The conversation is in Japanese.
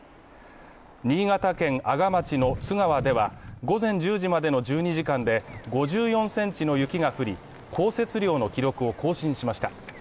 新潟県阿賀町の津川では、午前１０時までの１２時間で５４ｃｍの雪が降り、降雪量の記録を更新しました。